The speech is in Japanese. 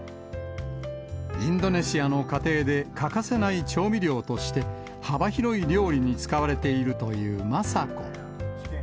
インドネシアの家庭で欠かせない調味料として、幅広い料理に使われているというマサコ。